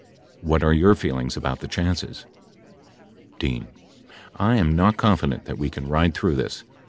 What are your feelings about the chances ? D. I am not confident that we can ride through this.